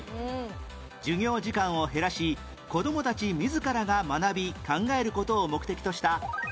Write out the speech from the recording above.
授業時間を減らし子供たち自らが学び考える事を目的としたこの教育をなんという？